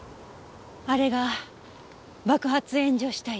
あれが爆発炎上した家。